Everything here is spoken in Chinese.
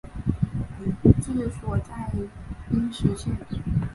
治所在阴石县。